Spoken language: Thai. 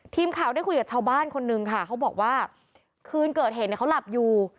ทีมข่าวได้คุยกับชาวบ้านคนนึงค่ะเขาบอกว่าคืนเกิดเหตุเนี่ยเขาหลับอยู่